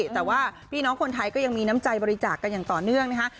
แต่ว่าพี่น้องคนไทยก็ยังมีน้ำใจบริจาคกันอย่างต่อเนื่องนะคะ